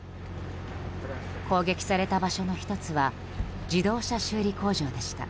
攻撃された場所の１つは自動車修理工場でした。